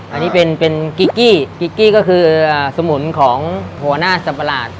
อันนี้เป็นก๊ิ๊กกิก๊ิ๊กกิก็คือสมุนของหัวหน้าสัมปราชน์